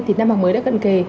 thì năm học mới đã cận kề